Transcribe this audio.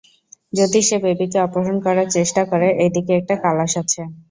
যদি সে বেবিকে অপহরণ করার চেষ্টা করে, এই দিকে, একটা কালাশ আছে।